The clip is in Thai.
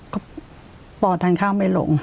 ก็ปอทานข้าวไม่ลง